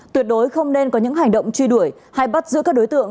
tuyệt đối không nên có những hành động truy đuổi hay bắt giữ các đối tượng